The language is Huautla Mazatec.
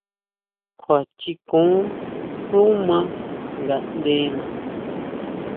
Kjua chikon xú maa ngaʼndena.